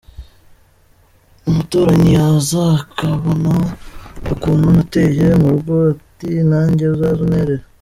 Umuturanyi yaza akabona ukuntu nateye mu rugo ati nanjye uzaze unterere.